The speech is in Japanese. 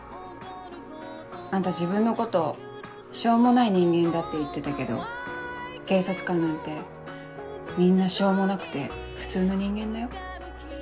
あんた自分のことしょうもない人間だって言ってたけど警察官なんてみんなしょうもなくて普通の人間だよ。